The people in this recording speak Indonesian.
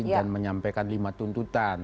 dan menyampaikan lima tuntutan